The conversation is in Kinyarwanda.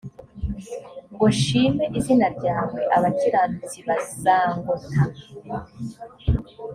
ngo nshime izina ryawe abakiranutsi bazangota